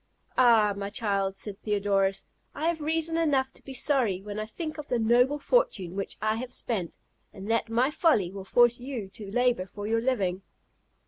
"Ah! my child," said Theodorus, "I have reason enough to be sorry, when I think of the noble fortune which I have spent, and that my folly will force you to labour for your living."